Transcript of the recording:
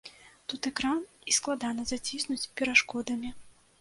Тут экран, і складана заціснуць перашкодамі.